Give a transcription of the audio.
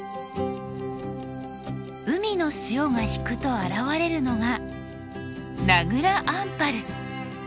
海の潮が引くと現れるのが名蔵アンパル。